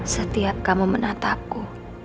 setiap kamu menatapku